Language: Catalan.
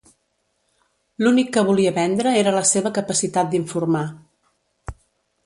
L'únic que volia vendre era la seva capacitat d'informar.